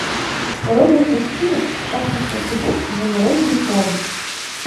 У розных мясцінах шахматныя фігуркі мелі розную форму.